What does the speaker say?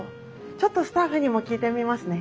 ちょっとスタッフにも聞いてみますね。